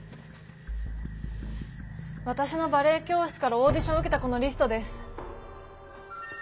わたしのバレエ教室からオーディションを受けた子のリストです。